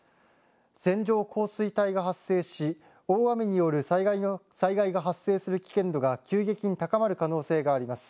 線状降水帯が発生し大雨による災害が発生する危険度が急激に高まる可能性があります。